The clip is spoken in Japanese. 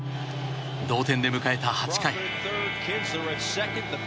同点で迎えた８回。